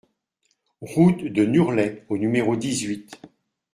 Route de Nurlet au numéro dix-huit